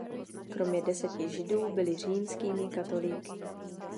Kromě deseti židů byli římskými katolíky.